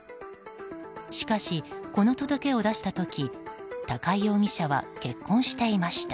しかし、この届けを出した時高井容疑者は結婚していました。